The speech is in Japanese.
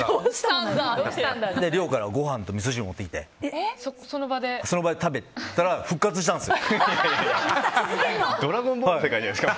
寮からご飯とみそ汁持ってきてもらってその場で食べたら復活したんですよ。